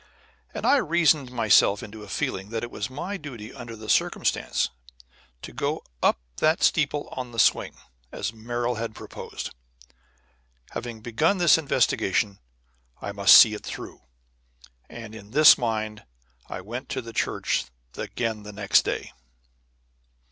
And I reasoned myself into a feeling that it was my duty under the circumstances to go up that steeple on the swing, as Merrill had proposed. Having begun this investigation, I must see it through; and in this mind I went to the church again the next day.